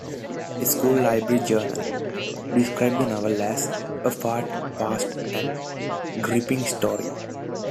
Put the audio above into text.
"School Library Journal" described the novel as "a fast-paced and gripping story.